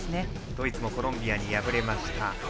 ドイツもコロンビアに敗れました。